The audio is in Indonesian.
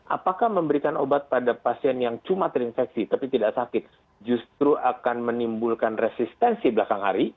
apakah memberikan obat pada pasien yang cuma terinfeksi tapi tidak sakit justru akan menimbulkan resistensi belakang hari